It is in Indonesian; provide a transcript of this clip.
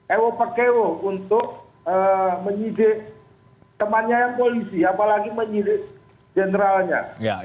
ewo pekewo untuk menyidik temannya yang polisi apalagi menyidik generalnya